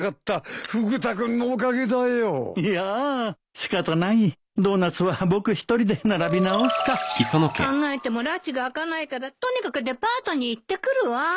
仕方ないドーナツは僕一人で並び直すか考えてもらちが明かないからとにかくデパートに行ってくるわ。